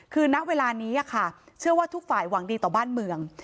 คือณเวลานี้ค่ะเชื่อว่าทุกฝ่ายหวังดีต่อบ้านเมือง